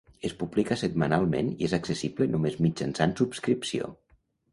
Es publica setmanalment i és accessible només mitjançant subscripció.